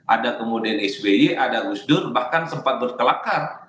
ada kemudian sby ada gus dur bahkan sempat berkelakar